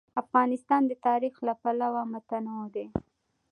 افغانستان د تاریخ له پلوه متنوع دی.